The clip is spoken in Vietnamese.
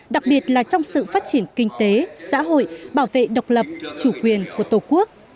đặc biệt là trong sự phát triển kinh tế xã hội bảo vệ độc lập chủ quyền của tổ quốc